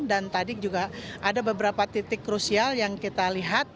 dan tadi juga ada beberapa titik krusial yang kita lihat